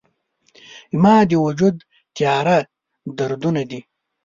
زما د وجود تیاره دردونه دي